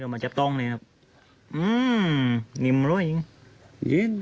นี่จับตรงจริงเย็นเย็นเย็น